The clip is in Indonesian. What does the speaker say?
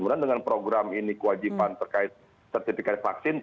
kemudian dengan program ini kewajiban terkait sertifikat vaksin